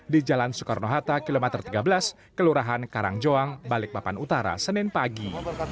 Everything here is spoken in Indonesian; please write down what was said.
di jalan soekarno hatta kilometer tiga belas kelurahan karangjoang balikpapan utara senin pagi